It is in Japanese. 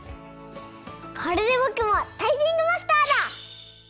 これでぼくもタイピングマスターだ！